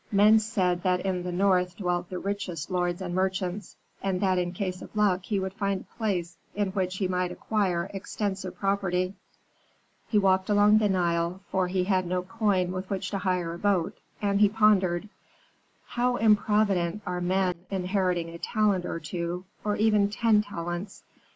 Men said that in the north dwelt the richest lords and merchants, and that in case of luck he would find a place in which he might acquire extensive property. "He walked along the Nile, for he had no coin with which to hire a boat, and he pondered, "'How improvident are men inheriting a talent or two, or even ten talents!